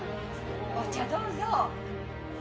お茶どうぞ。